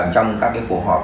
trong các cái cuộc họp